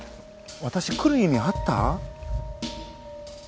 私来る意味あった？